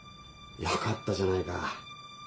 よかったじゃないか。